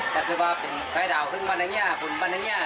ก็คือว่าเป็นสายดาวพุนบรรณงิยา